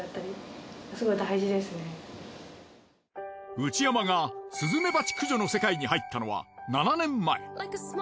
内山がスズメバチ駆除の世界に入ったのは７年前。